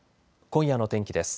今夜の天気です。